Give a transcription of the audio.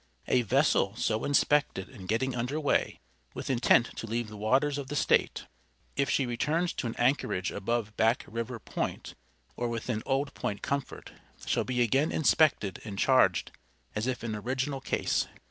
A vessel so inspected and getting under way, with intent to leave the waters of the State, if she returns to an anchorage above Back River Point, or within Old Point Comfort, shall be again inspected and charged as if an original case.